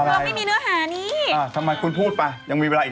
อะไรครูบอดรัมไม่มีแล้ว